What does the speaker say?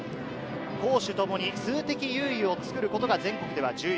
攻守ともに数的優位を作ることが全国では重要。